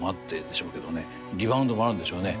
リバウンドもあるんでしょうね